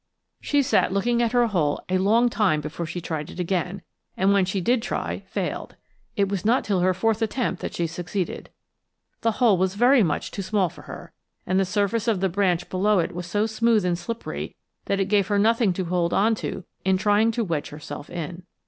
She sat looking at her hole a long time before she tried it again, and when she did try, failed. It was not till her fourth attempt that she succeeded. The hole was very much too small for her, and the surface of the branch below it was so smooth and slippery that it gave her nothing to hold to in trying to wedge herself in.